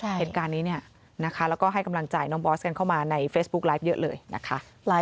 เหตุการณ์นี้เนี่ยนะคะแล้วก็ให้กำลังใจน้องบอสกันเข้ามาในเฟซบุ๊คไลฟ์เยอะเลยนะคะ